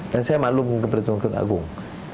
dan saya maklum kepada tuanku agung